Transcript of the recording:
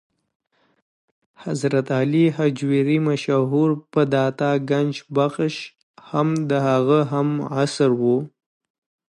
حضرت علي هجویري مشهور په داتا ګنج بخش هم د هغه هم عصر و.